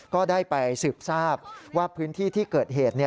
ก็ได้ไปสืบทราบว่าพื้นที่ที่เกิดเหตุ